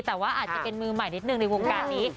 แต่ว่าอาจจะเป็นมือใหม่นิดหนึ่งในวงการนี้